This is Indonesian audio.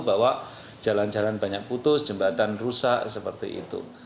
bahwa jalan jalan banyak putus jembatan rusak seperti itu